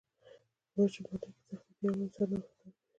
په ماشوموالي کې سختۍ تیرول انسان نوښتګر کوي.